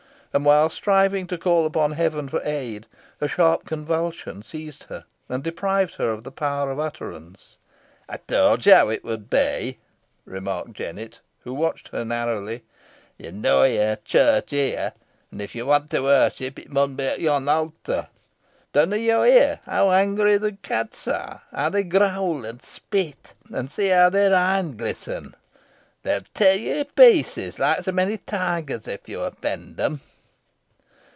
And while striving to call upon heaven for aid, a sharp convulsion seized her, and deprived her of the power of utterance. "Ey towd yo how it wad be," remarked Jennet, who watched her narrowly. "Yo 're neaw i' a church here, an if yo want to warship, it mun be at yon altar. Dunna yo hear how angry the cats are how they growl an spit? An see how their een gliss'n! They'll tare yo i' pieces, loike so many tigers, if yo offend em."